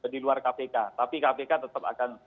di luar kpk tapi kpk tetap akan